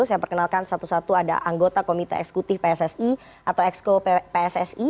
saya perkenalkan satu satu ada anggota komite eksekutif pssi atau exco pssi